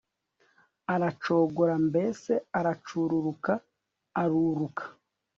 aragororoka mbese aracururuka, aruruka